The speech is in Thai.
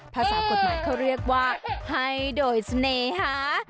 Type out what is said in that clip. ภาษากฎหมายเขาเรียกว่าให้โดยเสน่หา